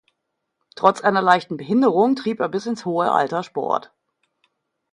Trotz einer leichten Behinderung trieb er bis ins hohe Alter Sport.